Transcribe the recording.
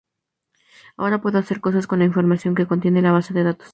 Ahora puedo hacer cosas con la información que contiene la base de datos.